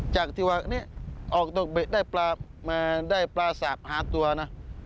จากที่ว่านี้ออกได้ปลาสากหาตัวนะ